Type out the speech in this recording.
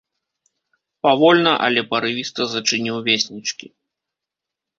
Павольна, але парывіста зачыніў веснічкі.